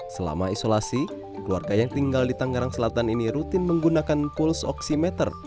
selama isolasi keluarga yang tinggal di tangerang selatan ini rutin menggunakan cools oksimeter